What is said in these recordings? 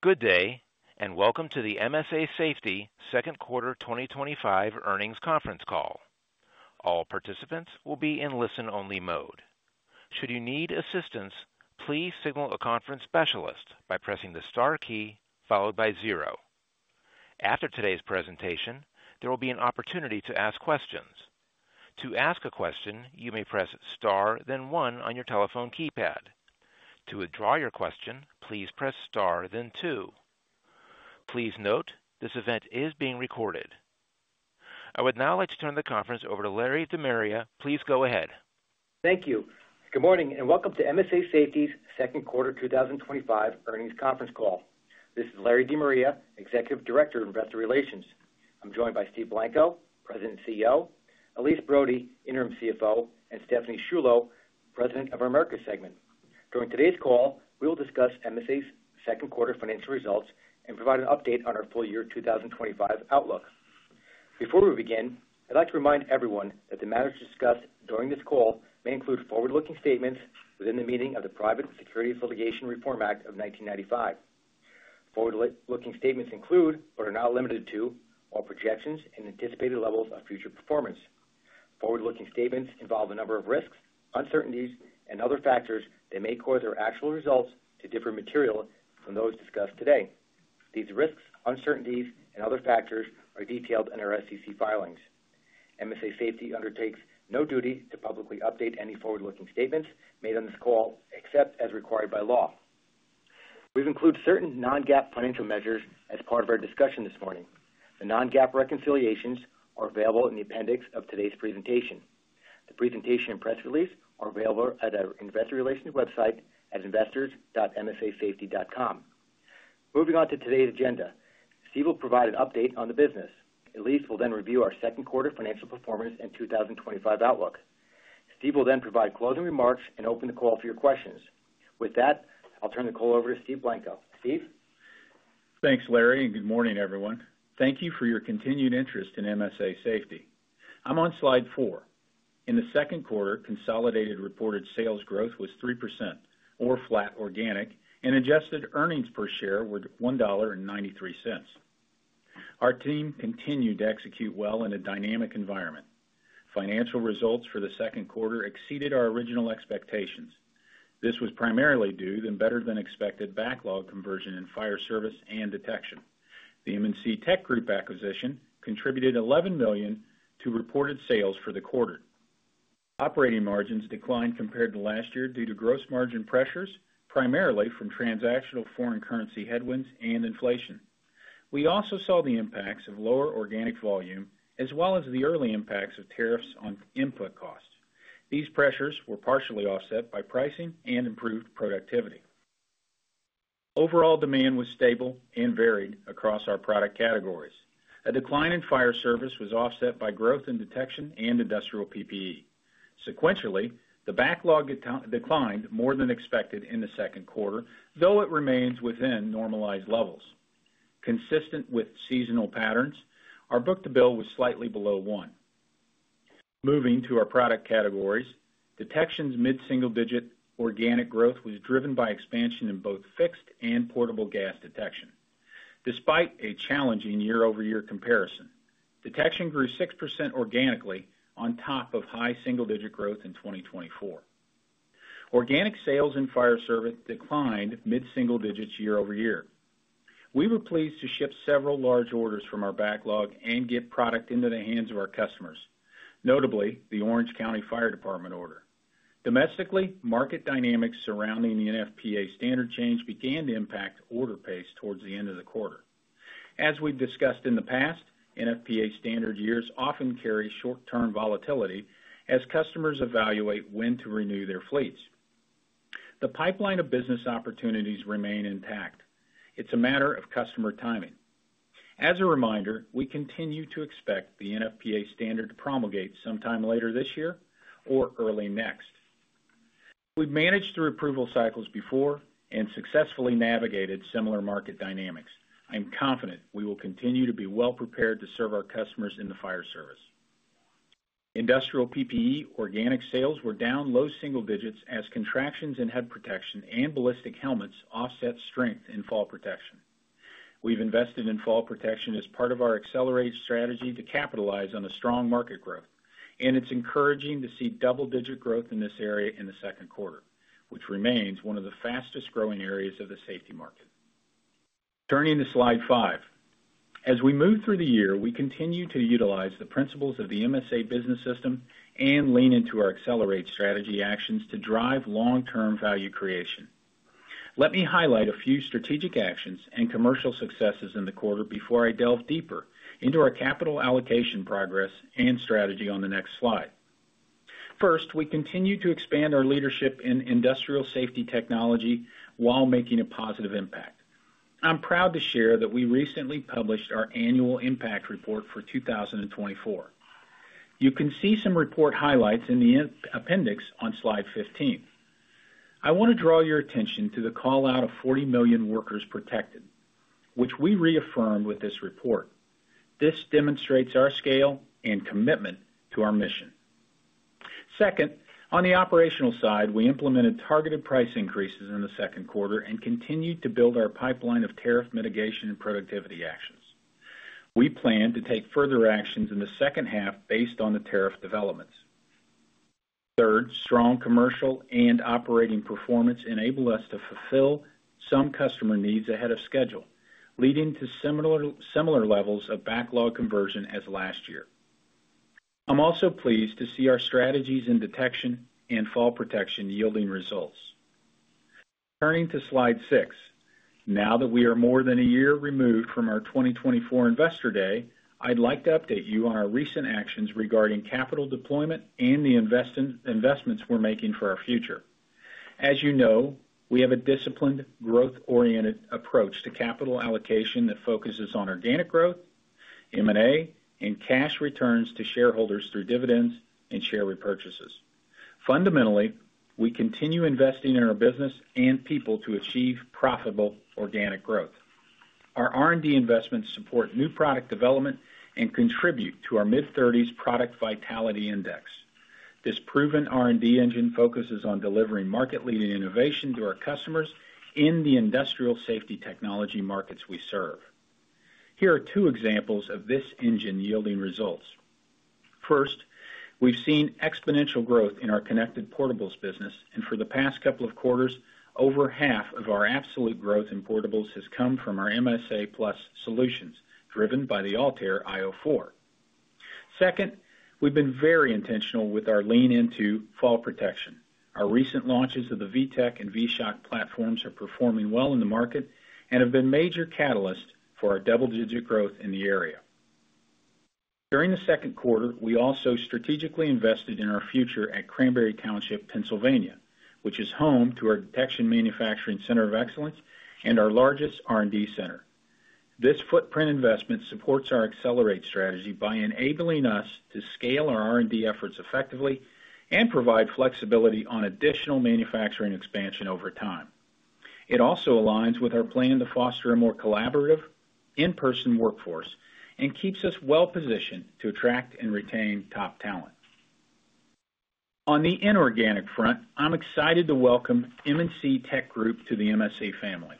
Good day and welcome to the MSA Safety Second Quarter 2025 Earnings Conference Call. All participants will be in listen-only mode. Should you need assistance, please signal a conference specialist by pressing the star key followed by zero. After today's presentation, there will be an opportunity to ask questions. To ask a question, you may press star then one on your telephone keypad. To withdraw your question, please press star then two. Please note this event is being recorded. I would now like to turn the conference over to Larry De Maria. Please go ahead. Thank you. Good morning and welcome to MSA Safety's Second Quarter 2025 Earnings Conference Call. This is Larry De Maria, Executive Director of Investor Relations. I'm joined by Steve Blanco, President and CEO, Elyse Brody, Interim CFO, and Stephanie Sciullo, President of our America segment. During today's call, we will discuss MSA's second quarter financial results and provide an update on our full year 2025 outlook. Before we begin, I'd like to remind everyone that the matters discussed during this call may include forward-looking statements within the meaning of the Private Securities Litigation Reform Act of 1995. Forward-looking statements include, but are not limited to, all projections and anticipated levels of future performance. Forward-looking statements involve a number of risks, uncertainties, and other factors that may cause their actual results to differ material from those discussed today. These risks and uncertainties and other factors are detailed in our SCC filings. MSA Safety undertakes no duty to publicly update any forward-looking statements made on this call, except as required by law. We've included certain non-GAAP financial measures as part of our discussion this morning. The non-GAAP reconciliations are available in the appendix of today's presentation. The presentation and press release are available at our investor relations website at investors.nsasafety.com. Moving on to today's agenda, Steve will provide an update on the business. Elyse will then review our second quarter financial perfomance and 2025 outlook. Steve will then provide opening remarks and open the call for your questions. With that, I'll turn the call over to Steve Blanco. Steve? Thanks, Larry, and good morning, everyone. Thank you for your continued interest in MSA Safety. I'm on slide four. In the second quarter, consolidated reported sales growth was 3%, or flat organic, and adjusted earnings per share were $1.93. Our team continued to execute well in a dynamic environment. Financial results for the second quarter exceeded our original expectations. This was primarily due to the better-than-expected backlog conversion in fire service and detection. The M&C Tech Group acquisition contributed $11 million to reported sales for the quarter. Operating margins declined compared to last year due to gross margin pressures, primarily from transactional foreign currency headwinds and inflation. We also saw the impacts of lower organic volume, as well as the early impacts of tariffs on input costs. These pressures were partially offset by pricing and improved productivity. Overall demand was stable and varied across our product categories. A decline in fire service was offset by growth in detection and industrial PPE. Sequentially, the backlog declined more than expected in the second quarter, though it remains within normalized levels. Consistent with seasonal patterns, our book-to-bill was slightly below one. Moving to our product categories, detection's mid-single-digit organic growth was driven by expansion in both fixed and portable gas detection. Despite a challenging year-over-year comparison, detection grew 6% organically on top of high single-digit growth in 2024. Organic sales in fire service declined mid-single digits year-over-year. We were pleased to ship several large orders from our backlog and get product into the hands of our customers, notably the Orange County Fire Department order. Domestically, market dynamics surrounding the NFPA standard change began to impact order pace towards the end of the quarter. As we've discussed in the past, NFPA standard years often carry short-term volatility as customers evaluate when to renew their fleets. The pipeline of business opportunities remains intact. It's a matter of customer timing. As a reminder, we continue to expect the NFPA standard to promulgate sometime later this year or early next. We've managed through approval cycles before and successfully navigated similar market dynamics. I'm confident we will continue to be well prepared to serve our customers in the fire service. Industrial PPE organic sales were down low single digits as contractions in head protection and ballistic helmets offset strength in fall protection. We've invested in fall protection as part of our accelerated strategy to capitalize on strong market growth, and it's encouraging to see double-digit growth in this area in the second quarter, which remains one of the fastest growing areas of the safety market. Turning to slide five, as we move through the year, we continue to utilize the principles of the MSA business system and lean into our accelerated strategy actions to drive long-term value creation. Let me highlight a few strategic actions and commercial successes in the quarter before I delve deeper into our capital allocation progress and strategy on the next slide. First, we continue to expand our leadership in industrial safety technology while making a positive impact. I'm proud to share that we recently published our annual impact report for 2024. You can see some report highlights in the appendix on slide 15. I want to draw your attention to the call out of 40 million workers protected, which we reaffirmed with this report. This demonstrates our scale and commitment to our mission. Second, on the operational side, we implemented targeted price increases in the second quarter and continued to build our pipeline of tariff mitigation and productivity actions. We plan to take further actions in the second half based on the tariff developments. Third, strong commercial and operating performance enabled us to fulfill some customer needs ahead of schedule, leading to similar levels of backlog conversion as last year. I'm also pleased to see our strategies in detection and fall protection yielding results. Turning to slide six, now that we are more than a year removed from our 2024 Investor Day, I'd like to update you on our recent actions regarding capital deployment and the investments we're making for our future. As you know, we have a disciplined, growth-oriented approach to capital allocation that focuses on organic growth, M&A, and cash returns to shareholders through dividends and share repurchases. Fundamentally, we continue investing in our business and people to achieve profitable organic growth. Our R&D investments support new product development and contribute to our mid-30s product vitality index. This proven R&D engine focuses on delivering market-leading innovation to our customers in the industrial safety technology markets we serve. Here are two examples of this engine yielding results. First, we've seen exponential growth in our connected portables business, and for the past couple of quarters, over half of our absolute growth in portables has come from our MSA+ solutions driven by the ALTAIR io 4. Second, we've been very intentional with our lean into fall protection. Our recent launches of the VTEC and VSHOC platforms are performing well in the market and have been major catalysts for our double-digit growth in the area. During the second quarter, we also strategically invested in our future at Cranberry Township, Pennsylvania, which is home to our Detection Manufacturing Center of Excellence and our largest R&D center. This footprint investment supports our accelerated strategy by enabling us to scale our R&D efforts effectively and provide flexibility on additional manufacturing expansion over time. It also aligns with our plan to foster a more collaborative, in-person workforce and keeps us well positioned to attract and retain top talent. On the inorganic front, I'm excited to welcome M&C Tech Group to the MSA family.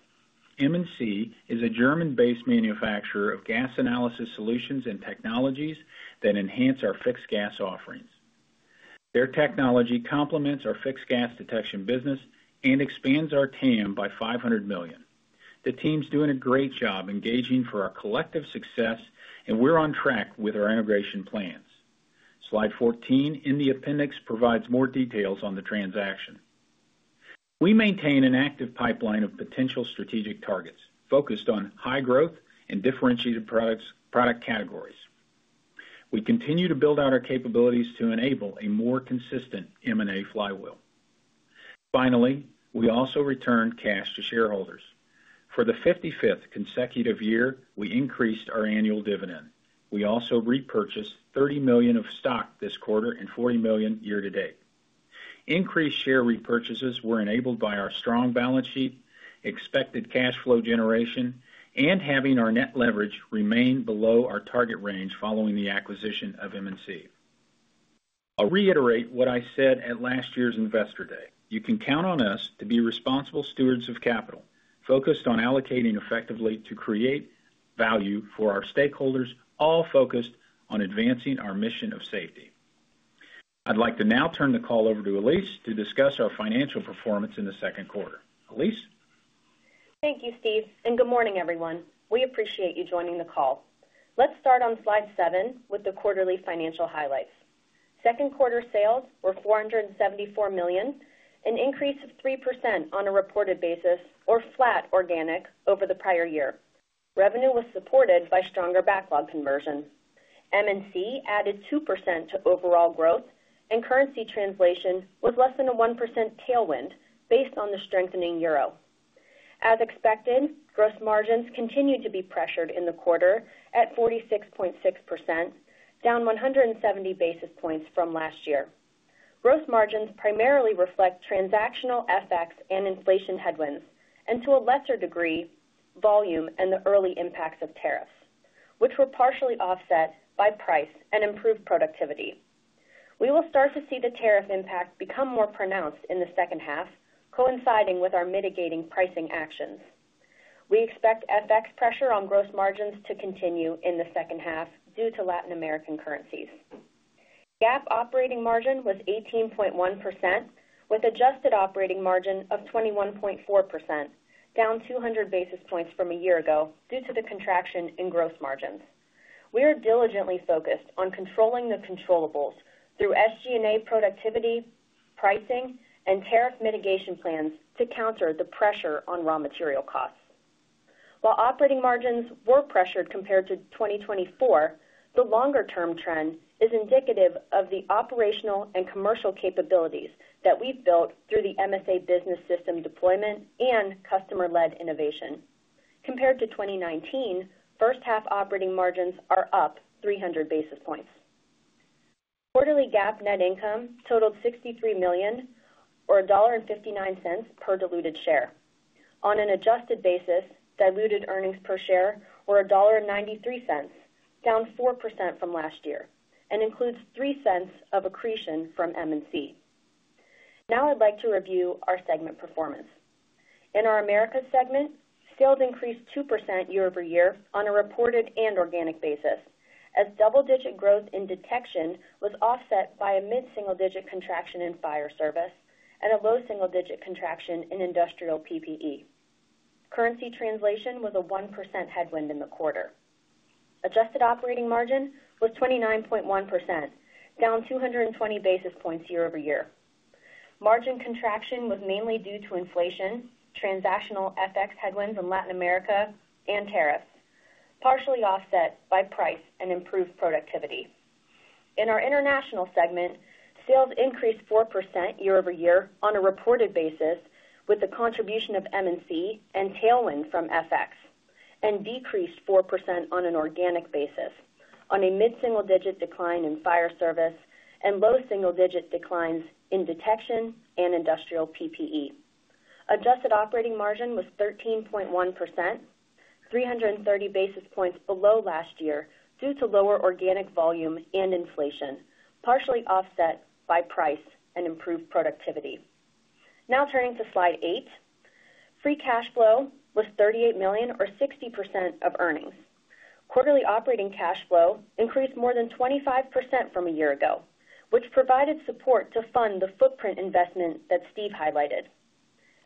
M&C Tech Group is a German-based manufacturer of gas analysis solutions and technologies that enhance our fixed gas offerings. Their technology complements our fixed gas detection business and expands our TAM by $500 million. The team's doing a great job engaging for our collective success, and we're on track with our integration plans. Slide 14 in the appendix provides more details on the transaction. We maintain an active pipeline of potential strategic targets focused on high growth and differentiated product categories. We continue to build out our capabilities to enable a more consistent M&A flywheel. Finally, we also return cash to shareholders. For the 55th consecutive year, we increased our annual dividend. We also repurchased $30 million of stock this quarter and $40 million year to date. Increased share repurchases were enabled by our strong balance sheet, expected cash flow generation, and having our net leverage remain below our target range following the acquisition of M&C Tech Group. I'll reiterate what I said at last year's Investor Day. You can count on us to be responsible stewards of capital, focused on allocating effectively to create value for our stakeholders, all focused on advancing our mission of safety. I'd like to now turn the call over to Elyse to discuss our financial performance in the second quarter. Elyse? Thank you, Steve, and good morning, everyone. We appreciate you joining the call. Let's start on slide seven with the quarterly financial highlights. Second quarter sales were $474 million, an increase of 3% on a reported basis, or flat organic over the prior year. Revenue was supported by stronger backlog conversion. M&C added 2% to overall growth, and currency translation was less than a 1% tailwind based on the strengthening euro. As expected, gross margins continued to be pressured in the quarter at 46.6%, down 170 basis points from last year. Gross margins primarily reflect transactional effects and inflation headwinds, and to a lesser degree, volume and the early impacts of tariffs, which were partially offset by price and improved productivity. We will start to see the tariff impact become more pronounced in the second half, coinciding with our mitigating pricing actions. We expect FX pressure on gross margins to continue in the second half due to Latin American currencies. GAAP operating margin was 18.1%, with an adjusted operating margin of 21.4%, down 200 basis points from a year ago due to the contraction in gross margins. We are diligently focused on controlling the controllables through SG&A productivity, pricing, and tariff mitigation plans to counter the pressure on raw material costs. While operating margins were pressured compared to 2024, the longer-term trend is indicative of the operational and commercial capabilities that we've built through the MSA business system deployment and customer-led innovation. Compared to 2019, first half operating margins are up 300 basis points. Quarterly GAAP net income totaled $63 million, or $1.59 per diluted share. On an adjusted basis, diluted earnings per share were $1.93, down 4% from last year, and includes $0.03 of accretion from M&C. Now I'd like to review our segment performance. In our America segment, sales increased 2% year-over-year on a reported and organic basis, as double-digit growth in detection was offset by a mid-single-digit contraction in fire service and a low single-digit contraction in industrial PPE. Currency translation was a 1% headwind in the quarter. Adjusted operating margin was 29.1%, down 220 basis points year-over-year. Margin contraction was mainly due to inflation, transactional FX headwinds in Latin America, and tariffs, partially offset by price and improved productivity. In our international segment, sales increased 4% year-over-year on a reported basis with a contribution of M&C and tailwind from FX, and decreased 4% on an organic basis, on a mid-single-digit decline in fire service and low single-digit declines in detection and industrial PPE. Adjusted operating margin was 13.1%, 330 basis points below last year due to lower organic volume and inflation, partially offset by price and improved productivity. Now turning to slide eight, free cash flow was $38 million, or 60% of earnings. Quarterly operating cash flow increased more than 25% from a year ago, which provided support to fund the footprint investment that Steve highlighted.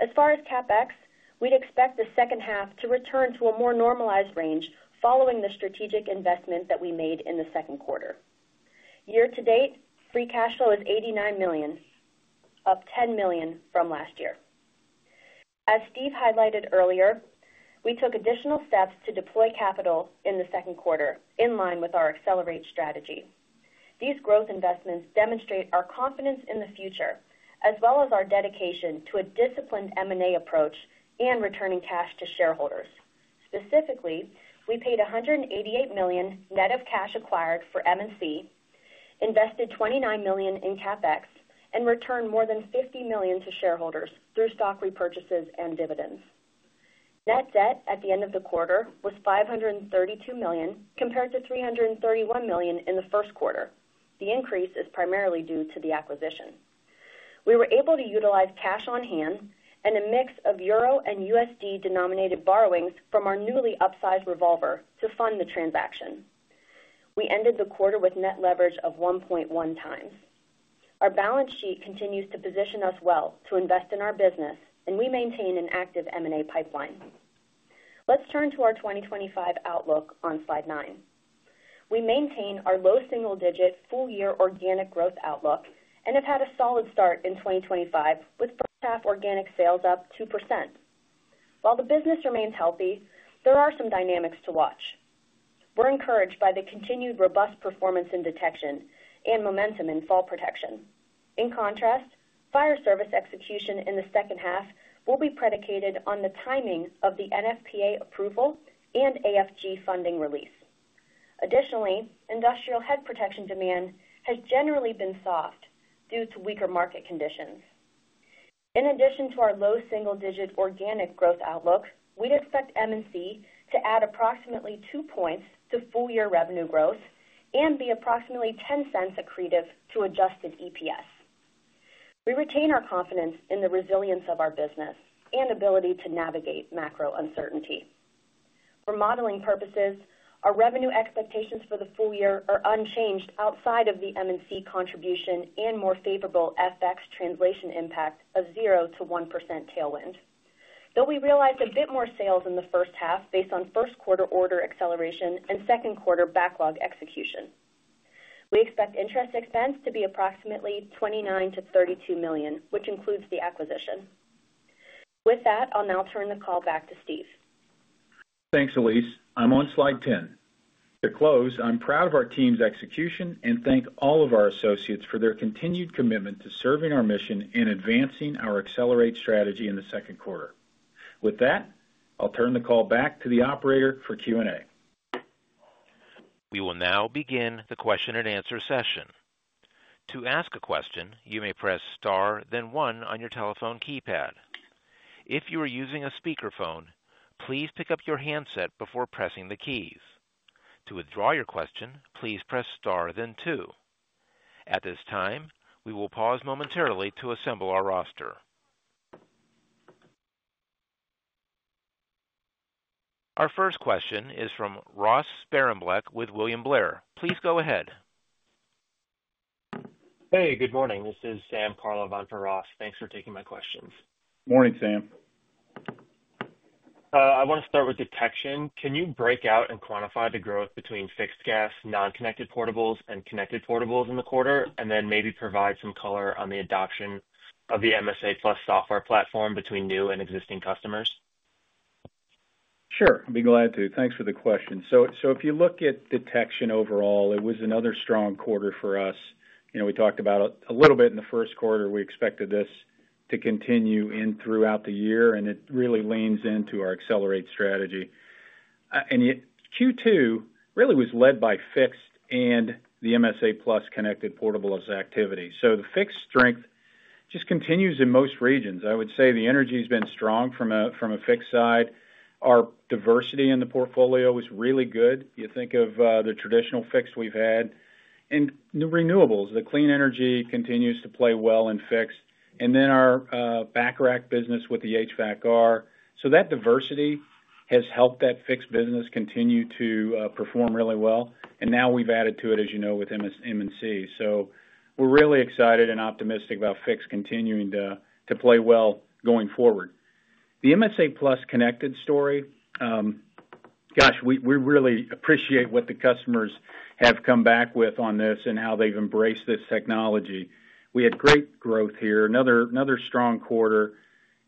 As far as CapEx, we'd expect the second half to return to a more normalized range following the strategic investment that we made in the second quarter. Year to date, free cash flow is $89 million, up $10 million from last year. As Steve highlighted earlier, we took additional steps to deploy capital in the second quarter in line with our accelerated strategy. These growth investments demonstrate our confidence in the future, as well as our dedication to a disciplined M&A approach and returning cash to shareholders. Specifically, we paid $188 million net of cash acquired for M&C, invested $29 million in CapEx, and returned more than $50 million to shareholders through stock repurchases and dividends. Net debt at the end of the quarter was $532 million compared to $331 million in the first quarter. The increase is primarily due to the acquisition. We were able to utilize cash on hand and a mix of euro and USD denominated borrowings from our newly upsized revolver to fund the transaction. We ended the quarter with net leverage of 1.1x. Our balance sheet continues to position us well to invest in our business, and we maintain an active M&A pipeline. Let's turn to our 2025 outlook on slide nine. We maintain our low single-digit full-year organic growth outlook and have had a solid start in 2025 with first half organic sales up 2%. While the business remains healthy, there are some dynamics to watch. We're encouraged by the continued robust performance in detection and momentum in fall protection. In contrast, fire service execution in the second half will be predicated on the timing of the NFPA standard approval and AFG funding release. Additionally, industrial head protection demand has generally been soft due to weaker market conditions. In addition to our low single-digit organic growth outlook, we'd expect M&C to add approximately two points to full-year revenue growth and be approximately $0.10 accretive to adjusted EPS. We retain our confidence in the resilience of our business and ability to navigate macro uncertainty. For modeling purposes, our revenue expectations for the full year are unchanged outside of the M&C contribution and more favorable FX translation impact of 0%-1% tailwind. Though we realized a bit more sales in the first half based on first quarter order acceleration and second quarter backlog execution, we expect interest expense to be approximately $29-$32 million, which includes the acquisition. With that, I'll now turn the call back to Steve. Thanks, Elyse. I'm on slide 10. To close, I'm proud of our team's execution and thank all of our associates for their continued commitment to serving our mission and advancing our accelerated strategy in the second quarter. With that, I'll turn the call back to the operator for Q&A. We will now begin the question and answer session. To ask a question, you may press star then one on your telephone keypad. If you are using a speakerphone, please pick up your handset before pressing the keys. To withdraw your question, please press star then two. At this time, we will pause momentarily to assemble our roster. Our first question is from Ross Sparenblek with William Blair. Please go ahead. Hey, good morning. This is Sam Karlov on for Ross. Thanks for taking my questions. Morning, Sam. I want to start with the catch-in. Can you break out and quantify the growth between fixed gas, non-connected portables, and connected portables in the quarter, and then maybe provide some color on the adoption of the MSA+ Connected Worker Platform between new and existing customers? Sure, I'll be glad to. Thanks for the question. If you look at detection overall, it was another strong quarter for us. We talked about it a little bit in the first quarter. We expected this to continue throughout the year, and it really leans into our accelerated strategy. Q2 really was led by fixed and the MSA+ Connected Worker Platform portables activity. The fixed strength just continues in most regions. I would say the energy has been strong from a fixed side. Our diversity in the portfolio was really good. You think of the traditional fixed we've had and the renewables, the clean energy continues to play well in fixed. Our Bacharach business with the HVACR, that diversity has helped that fixed business continue to perform really well. Now we've added to it, as you know, with M&C Tech Group. We're really excited and optimistic about fixed continuing to play well going forward. The MSA+ Connected Worker Platform story, gosh, we really appreciate what the customers have come back with on this and how they've embraced this technology. We had great growth here, another strong quarter.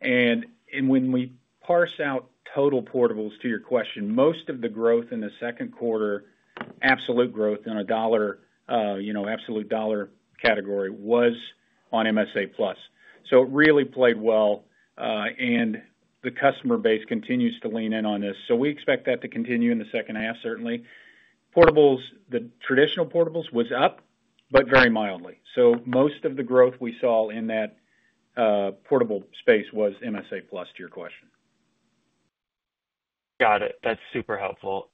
When we parse out total portables to your question, most of the growth in the second quarter, absolute growth in a dollar, absolute dollar category was on MSA+. It really played well. The customer base continues to lean in on this. We expect that to continue in the second half, certainly. Portables, the traditional portables, was up, but very mildly. Most of the growth we saw in that portable space was MSA+ to your question. Got it. That's super helpful.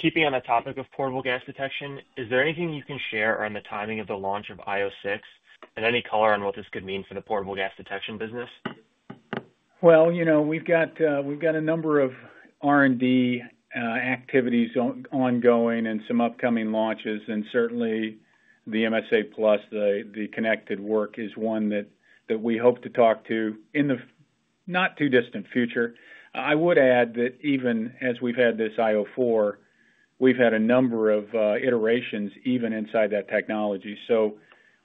Keeping on the topic of portable gas detection, is there anything you can share around the timing of the launch of io 6 and any color on what this could mean for the portable gas detection business? You know, we've got a number of R&D activities ongoing and some upcoming launches. Certainly, the MSA+ Connected Worker Platform is one that we hope to talk to in the not too distant future. I would add that even as we've had this io 4, we've had a number of iterations even inside that technology.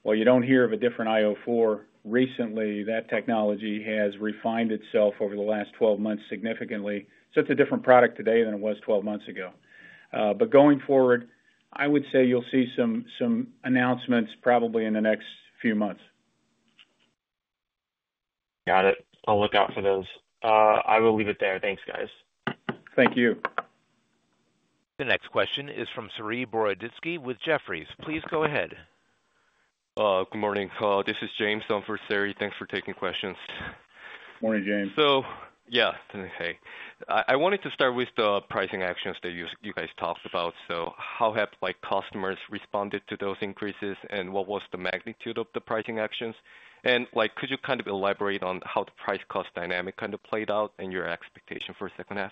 While you don't hear of a different io 4 recently, that technology has refined itself over the last 12 months significantly. It's a different product today than it was 12 months ago. Going forward, I would say you'll see some announcements probably in the next few months. Got it. I'll look out for those. I will leave it there. Thanks, guys. Thank you. The next question is from Sari Boroditsky with Jefferies. Please go ahead. Good morning. This is James on for Sari. Thanks for taking questions. Morning, James. I wanted to start with the pricing actions that you guys talked about. How have customers responded to those increases, and what was the magnitude of the pricing actions? Could you elaborate on how the price-cost dynamic played out and your expectation for the second half?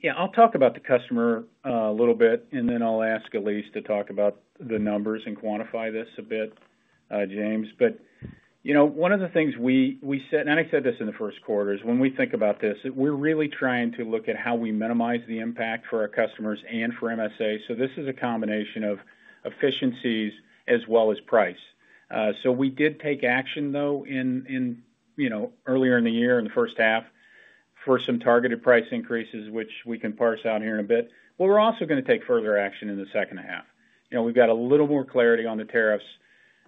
Yeah, I'll talk about the customer a little bit, and then I'll ask Elyse to talk about the numbers and quantify this a bit, James. One of the things we said, and I said this in the first quarter, is when we think about this, we're really trying to look at how we minimize the impact for our customers and for MSA Safety. This is a combination of efficiencies as well as price. We did take action earlier in the year in the first half for some targeted price increases, which we can parse out here in a bit. We're also going to take further action in the second half. We've got a little more clarity on the tariffs.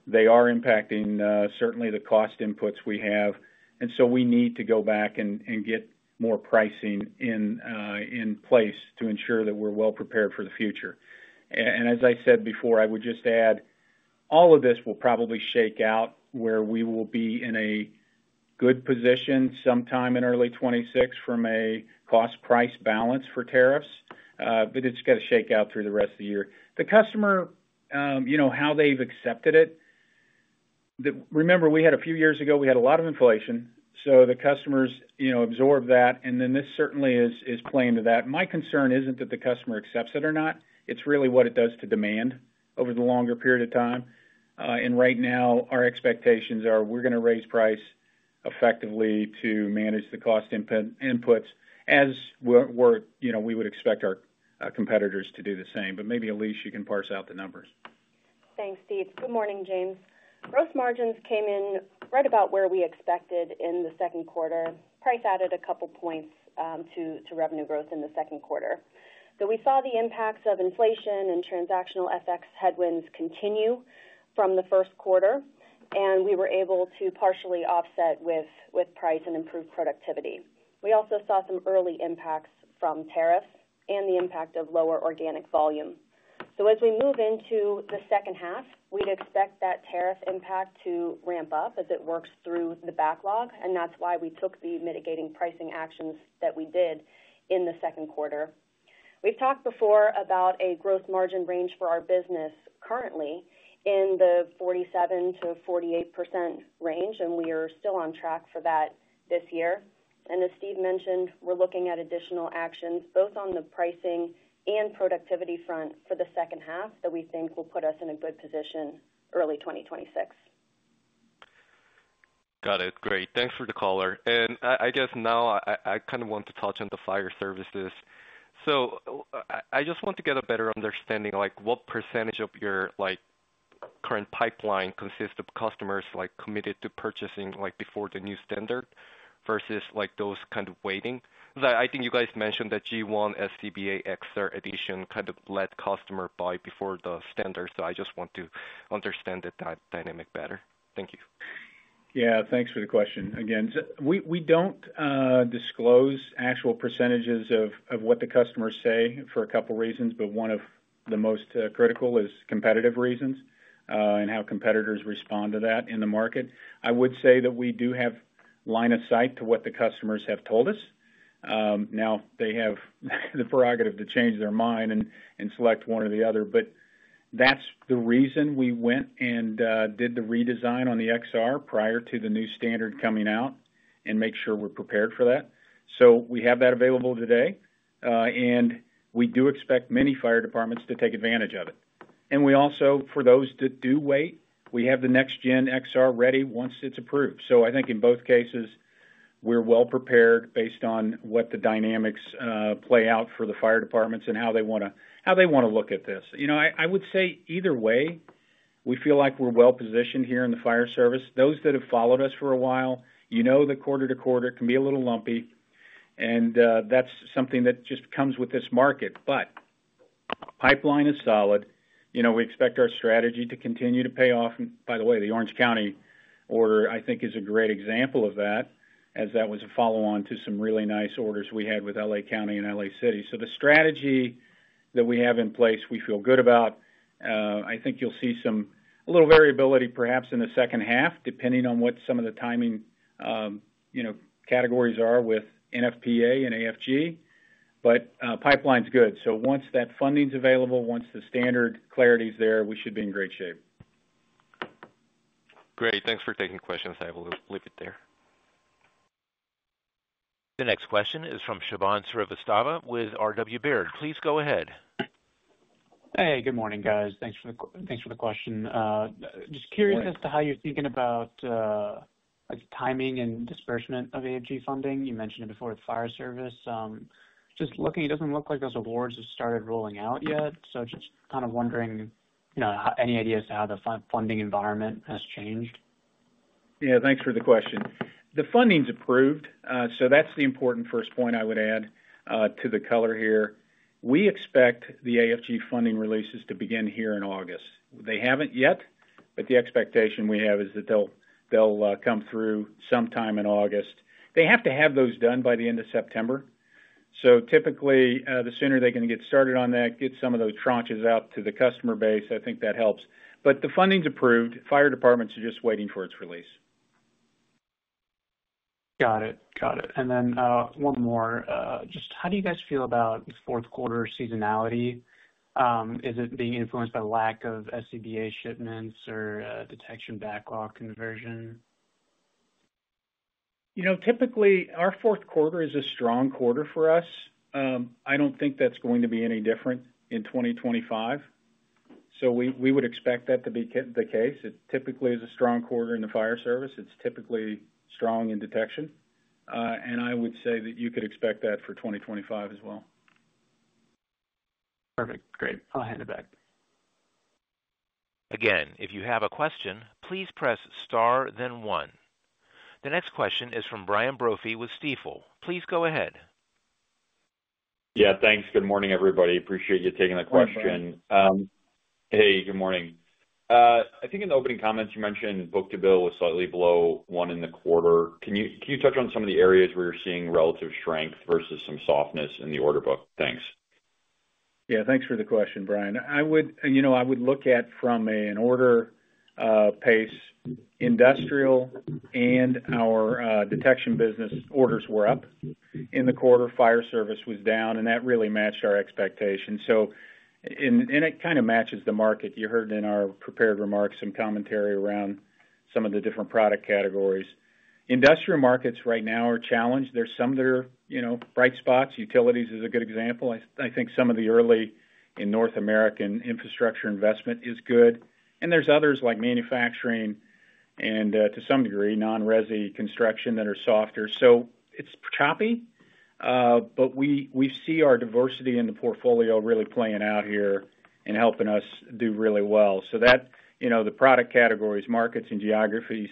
They are impacting certainly the cost inputs we have, and we need to go back and get more pricing in place to ensure that we're well prepared for the future. As I said before, I would just add all of this will probably shake out where we will be in a good position sometime in early 2026 from a cost-price balance for tariffs, but it's got to shake out through the rest of the year. The customer, how they've accepted it. Remember, a few years ago, we had a lot of inflation, so the customers absorbed that, and this certainly is playing to that. My concern isn't that the customer accepts it or not. It's really what it does to demand over the longer period of time. Right now, our expectations are we're going to raise price effectively to manage the cost inputs as we would expect our competitors to do the same. Maybe Elyse, you can parse out the numbers. Thanks, Steve. Good morning, James. Gross margins came in right about where we expected in the second quarter. Price added a couple points to revenue growth in the second quarter. Though we saw the impacts of inflation and transactional FX headwinds continue from the first quarter, we were able to partially offset with price and improved productivity. We also saw some early impacts from tariffs and the impact of lower organic volume. As we move into the second half, we'd expect that tariff impact to ramp up as it works through the backlog. That's why we took the mitigating pricing actions that we did in the second quarter. We've talked before about a gross margin range for our business currently in the 47%-48% range, and we are still on track for that this year. As Steve mentioned, we're looking at additional actions both on the pricing and productivity front for the second half that we think will put us in a good position early 2026. Got it. Great. Thanks for the color. I guess now I kind of want to touch on the fire services. I just want to get a better understanding of what percentage of your current pipeline consists of customers committed to purchasing before the new standard versus those kind of waiting. I think you guys mentioned that G1 SCBA XR edition kind of let customers buy before the standard. I just want to understand that dynamic better. Thank you. Yeah, thanks for the question. Again, we don't disclose actual percentages of what the customers say for a couple reasons, but one of the most critical is competitive reasons and how competitors respond to that in the market. I would say that we do have line of sight to what the customers have told us. They have the prerogative to change their mind and select one or the other, but that's the reason we went and did the redesign on the XR prior to the new standard coming out and make sure we're prepared for that. We have that available today, and we do expect many fire departments to take advantage of it. For those that do wait, we have the next-gen XR ready once it's approved. I think in both cases, we're well prepared based on what the dynamics play out for the fire departments and how they want to look at this. I would say either way, we feel like we're well positioned here in the fire service. Those that have followed us for a while know that quarter to quarter can be a little lumpy, and that's something that just comes with this market. Pipeline is solid. We expect our strategy to continue to pay off. By the way, the Orange County order is a great example of that, as that was a follow-on to some really nice orders we had with LA County and LA City. The strategy that we have in place, we feel good about. I think you'll see a little variability perhaps in the second half, depending on what some of the timing categories are with NFPA and AFG. Pipeline's good. Once that funding's available, once the standard clarity is there, we should be in great shape. Great. Thanks for taking questions. I'll leave it there. The next question is from Shubham Suravastava with Robert W. Baird. Please go ahead. Hey, good morning, guys. Thanks for the question. Just curious as to how you're thinking about timing and disbursement of AFG funding. You mentioned it before with fire service. Just looking, it doesn't look like those awards have started rolling out yet. Just kind of wondering, you know, any ideas to how the funding environment has changed? Yeah, thanks for the question. The funding's approved. That's the important first point I would add to the color here. We expect the AFG funding releases to begin here in August. They haven't yet, but the expectation we have is that they'll come through sometime in August. They have to have those done by the end of September. Typically, the sooner they can get started on that, get some of those tranches out to the customer base, I think that helps. The funding's approved. Fire departments are just waiting for its release. Got it. Got it. One more. How do you guys feel about the fourth quarter seasonality? Is it being influenced by lack of SCBA shipments or detection backlog conversion? Typically, our fourth quarter is a strong quarter for us. I don't think that's going to be any different in 2025. We would expect that to be the case. It typically is a strong quarter in the fire service and typically strong in detection. I would say that you could expect that for 2025 as well. Perfect. Great. I'll hand it back. Again, if you have a question, please press star then one. The next question is from Brian Brophy with Stifel. Please go ahead. Yeah, thanks. Good morning, everybody. Appreciate you taking the question. Good morning. I think in the opening comments, you mentioned book-to-bill was slightly below one in the quarter. Can you touch on some of the areas where you're seeing relative strength versus some softness in the order book? Thanks. Yeah, thanks for the question, Brian. I would look at it from an order pace. Industrial and our detection business orders were up in the quarter. Fire service was down, and that really matched our expectations. It kind of matches the market. You heard in our prepared remarks some commentary around some of the different product categories. Industrial markets right now are challenged. There are some that are bright spots. Utilities is a good example. I think some of the early North American infrastructure investment is good. There are others like manufacturing and, to some degree, non-resi construction that are softer. It is choppy, but we see our diversity in the portfolio really playing out here and helping us do really well. The product categories, markets, and geographies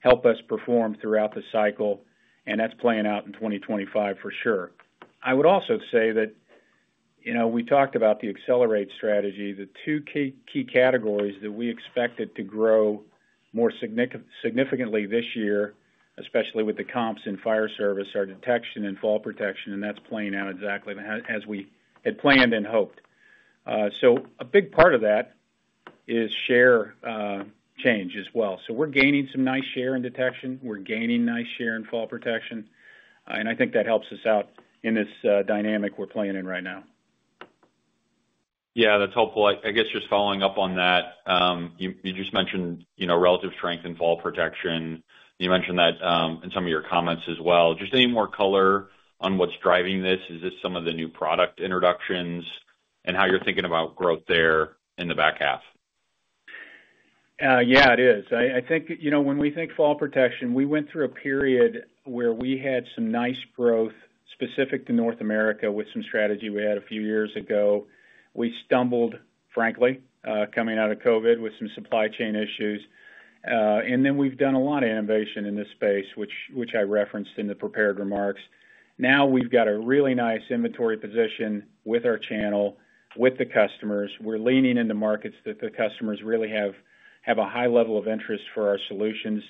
help us perform throughout the cycle, and that's playing out in 2025 for sure. I would also say that we talked about the accelerated strategy, the two key categories that we expected to grow more significantly this year, especially with the comps in fire service, are detection and fall protection, and that's playing out exactly as we had planned and hoped. A big part of that is share change as well. We are gaining some nice share in detection. We are gaining nice share in fall protection. I think that helps us out in this dynamic we're playing in right now. Yeah, that's helpful. I guess just following up on that, you just mentioned, you know, relative strength in fall protection. You mentioned that in some of your comments as well. Just any more color on what's driving this? Is this some of the new product introductions and how you're thinking about growth there in the back half? Yeah, it is. I think, you know, when we think fall protection, we went through a period where we had some nice growth specific to North America with some strategy we had a few years ago. We stumbled, frankly, coming out of COVID with some supply chain issues. We've done a lot of innovation in this space, which I referenced in the prepared remarks. Now we've got a really nice inventory position with our channel, with the customers. We're leaning into markets that the customers really have a high level of interest for our solutions.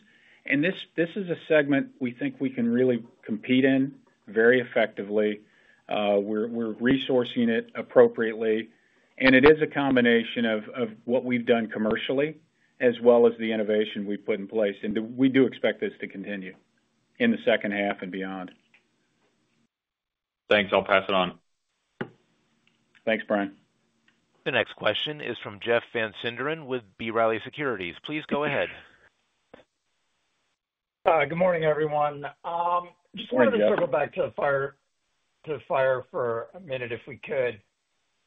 This is a segment we think we can really compete in very effectively. We're resourcing it appropriately. It is a combination of what we've done commercially, as well as the innovation we put in place. We do expect this to continue in the second half and beyond. Thanks. I'll pass it on. Thanks, Brian. The next question is from Jeff Van Sinderen with B. Riley Securities. Please go ahead. Good morning, everyone. Just wanted to circle back to fire for a minute if we could.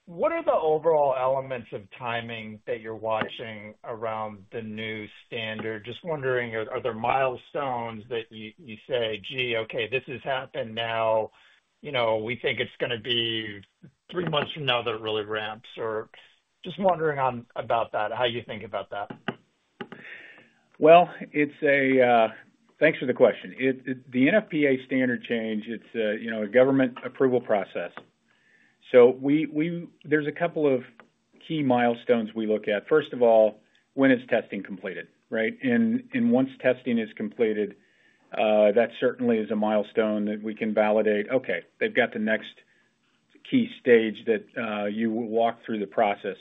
What are the overall elements of timing that you're watching around the new standard? Just wondering, are there milestones that you say, gee, okay, this has happened now. You know, we think it's going to be three months from now that it really ramps. Just wondering about that, how you think about that. Thanks for the question. The NFPA standard change is a government approval process. There are a couple of key milestones we look at. First of all, when is testing completed? Once testing is completed, that certainly is a milestone that we can validate. They've got the next key stage that you walk through the process.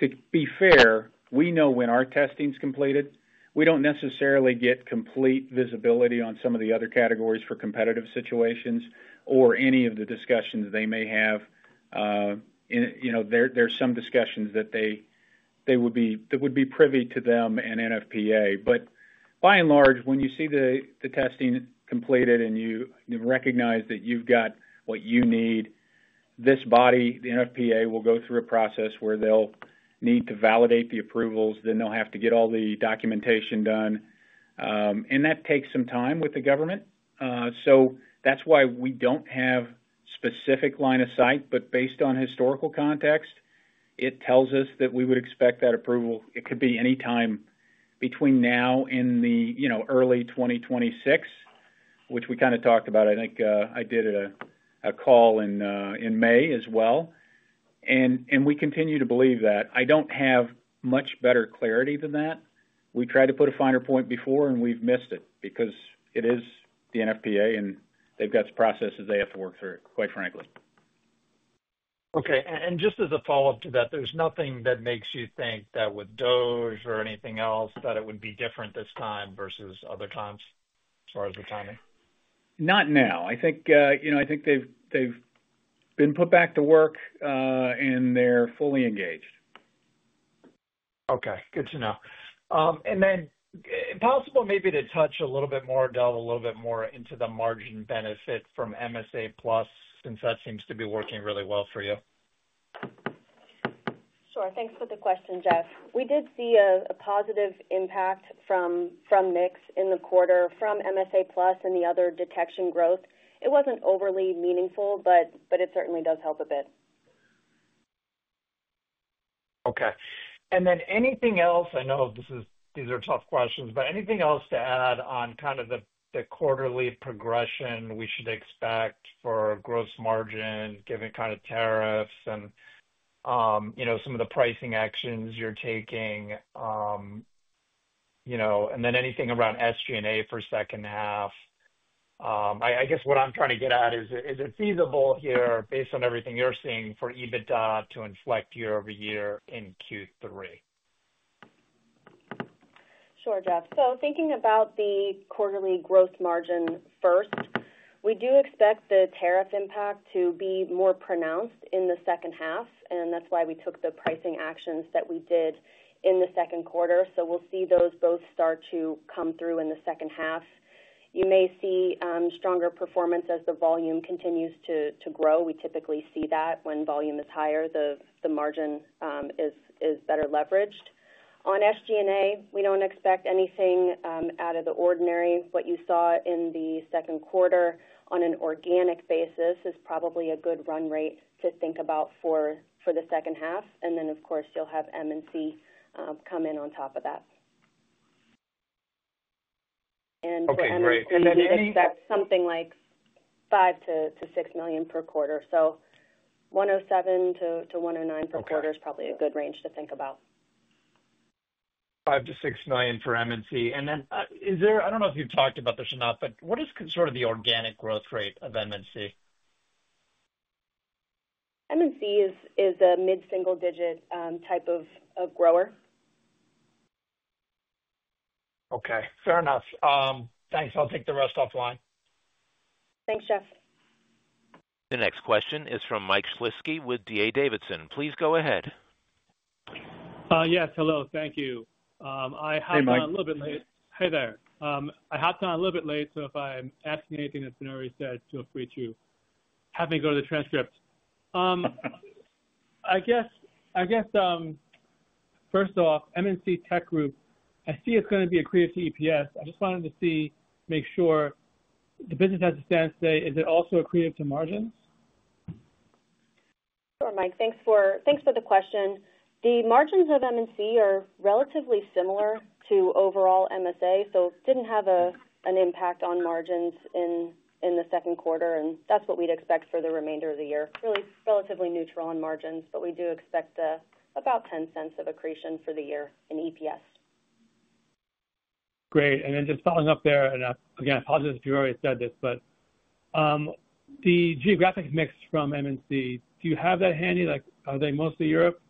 To be fair, we know when our testing's completed, but we don't necessarily get complete visibility on some of the other categories for competitive situations or any of the discussions they may have. There are some discussions that would be privy to them and NFPA. By and large, when you see the testing completed and you recognize that you've got what you need, this body, the NFPA, will go through a process where they'll need to validate the approvals. They'll have to get all the documentation done, and that takes some time with the government. That's why we don't have a specific line of sight, but based on historical context, it tells us that we would expect that approval. It could be any time between now and early 2026, which we kind of talked about. I think I did a call in May as well, and we continue to believe that. I don't have much better clarity than that. We tried to put a finer point before, and we've missed it because it is the NFPA, and they've got processes they have to work through, quite frankly. Okay. Just as a follow-up to that, there's nothing that makes you think that with those or anything else that it would be different this time versus other times as far as the timing? I think they've been put back to work, and they're fully engaged. Okay. Good to know. Is it possible to touch a little bit more, delve a little bit more into the margin benefit from MSA+ since that seems to be working really well for you. Sure. Thanks for the question, Jeff. We did see a positive impact from mix in the quarter from MSA+ and the other detection growth. It wasn't overly meaningful, but it certainly does help a bit. Okay. Anything else to add on the quarterly progression we should expect for gross margin, given tariffs and some of the pricing actions you're taking, and then anything around SG&A for the second half? I guess what I'm trying to get at is, is it feasible here based on everything you're seeing for EBITDA to inflect year-over-year in Q3? Sure, Jeff. Thinking about the quarterly gross margin first, we do expect the tariff impact to be more pronounced in the second half, and that's why we took the pricing actions that we did in the second quarter. We'll see those both start to come through in the second half. You may see stronger performance as the volume continues to grow. We typically see that when volume is higher, the margin is better leveraged. On SG&A, we don't expect anything out of the ordinary. What you saw in the second quarter on an organic basis is probably a good run rate to think about for the second half. Of course, you'll have M&C come in on top of that. Okay. Great. We expect something like $5 million-$6 million per quarter. $107 million-$109 million per quarter is probably a good range to think about. $5 million-$6 million for M&C Tech Group. Is there, I don't know if you've talked about this or not, but what is sort of the organic growth rate of M&C Tech Group? M&C is a mid-single-digit type of grower. Okay. Fair enough. Thanks. I'll take the rest offline. Thanks, Jeff. The next question is from Mike Shlisky with D.A. Davidson. Please go ahead. Yes. Hello. Thank you. I hopped on a little bit late. Hey there. I hopped on a little bit late, so if I'm asking anything that's been already said, feel free to have me go to the transcript. First off, M&C Tech Group, I see it's going to be accretive to EPS. I just wanted to see, make sure the business has a stance today. Is it also accretive to margins? Sure, Mike. Thanks for the question. The margins of M&C are relatively similar to overall MSA Safety, so it didn't have an impact on margins in the second quarter, and that's what we'd expect for the remainder of the year. It's really relatively neutral on margins, but we do expect about $0.10 of accretion for the year in EPS. Great. Just following up there, I apologize if you've already said this, but the geographic mix from M&C, do you have that handy? Are they mostly Europe?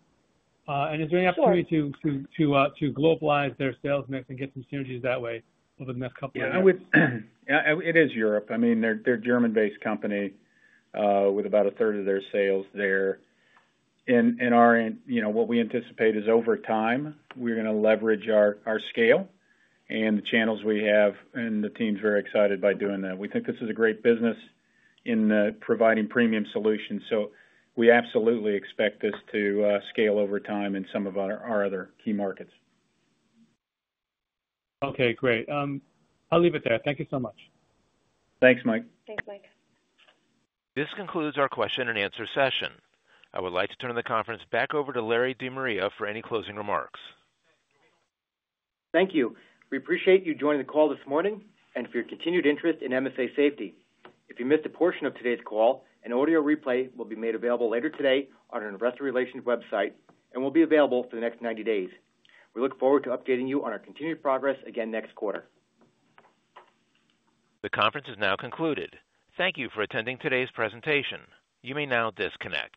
Is there any opportunity to globalize their sales mix and get some synergies that way over the next couple of years? Yeah, it is Europe. I mean, they're a German-based company with about a third of their sales there. What we anticipate is over time, we're going to leverage our scale and the channels we have, and the team's very excited by doing that. We think this is a great business in providing premium solutions. We absolutely expect this to scale over time in some of our other key markets. Okay. Great. I'll leave it there. Thank you so much. Thanks, Mike. Thanks, Mike. This concludes our question and answer session. I would like to turn the conference back over to Larry De Maria for any closing remarks. Thank you. We appreciate you joining the call this morning and for your continued interest in MSA Safety. If you missed a portion of today's call, an audio replay will be made available later today on our Investor Relations website and will be available for the next 90 days. We look forward to updating you on our continued progress again next quarter. The conference is now concluded. Thank you for attending today's presentation. You may now disconnect.